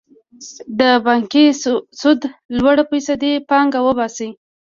د بانکي سود لوړه فیصدي پانګه وباسي.